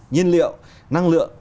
nhiên liệu năng lượng